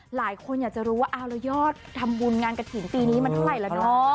หลายคนอยากรู้ว่ารอยอดนการทำบุญงานกระถิ้นตีนี้เท่าไรแล้วเนาะ